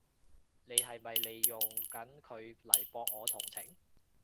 你係咪利用緊佢嚟博我同情？